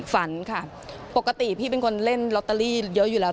ฝันค่ะปกติพี่เป็นคนเล่นลอตเตอรี่เยอะอยู่แล้ว